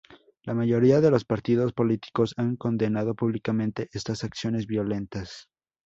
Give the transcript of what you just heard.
La mayoría de los partidos políticos han condenado públicamente estas acciones violentas.